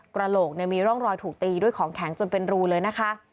กระโหลกมีร่องรอยถูกตีด้วยของแข็งจนเป็นรูเลยนะคะ